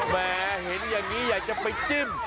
แหมเห็นอย่างนี้อยากจะไปจิ้ม